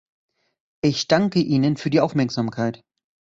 Ich danke Ihnen für die Aufmerksamkeit.